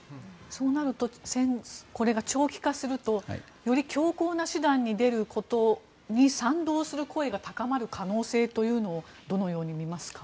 そうなるとこれが長期化するとより強硬な手段に出ることに賛同する声が高まる可能性というのをどのように見ますか？